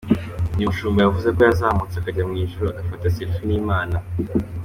Uyu mushumba yavuze ko yazamutse akajya mu ijuru agafata ‘selfie’ n’Imana.